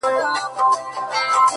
زما خبرو ته لا نوري چیغي وکړه ـ